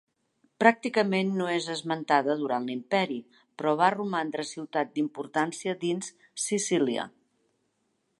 Pràcticament, no és esmentada durant l'imperi, però va romandre ciutat d'importància dins Sicília.